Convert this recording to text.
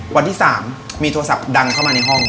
วันที่๓มีโทรศัพท์ดังเข้ามาในห้อง